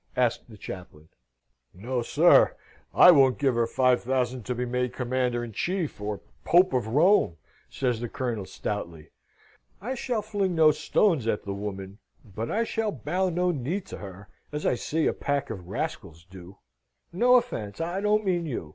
asked the chaplain. "No, sir! I won't give her five thousand to be made Commander in Chief or Pope of Rome," says the Colonel, stoutly. "I shall fling no stones at the woman; but I shall bow no knee to her, as I see a pack of rascals do. No offence I don't mean you.